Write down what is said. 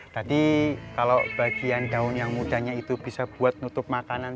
tadi kalau bagian daun yang mudanya itu bisa buat nutup makanan